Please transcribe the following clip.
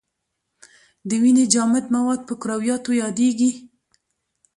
د وینې جامد مواد په کرویاتو یادیږي.